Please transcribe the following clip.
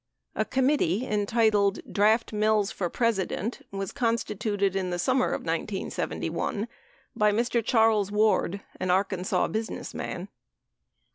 A committee entitled Draft Mills for President was consti tuted in the summer of 1971 by Mr. Charles Ward, an Arkansas busi nessman.